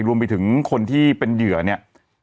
รวมไปถึงคนที่เป็นเหยื่อเนี่ย